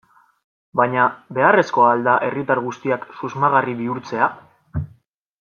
Baina, beharrezkoa al da herritar guztiak susmagarri bihurtzea?